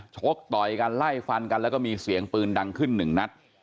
ชกต่อยกันไล่ฟันกันแล้วก็มีเสียงปืนดังขึ้นหนึ่งนัด